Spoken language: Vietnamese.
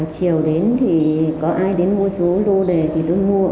chiều đến thì có ai đến mua số lô đề thì tôi mua